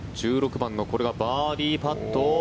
１６番のこれがバーディーパット。